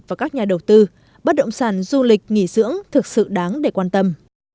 và các nhà đầu tư bất động sản du lịch nghỉ dưỡng thực sự đáng để quan tâm